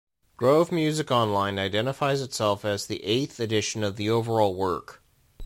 "Grove Music Online" identifies itself as the Eighth Edition of the overall work.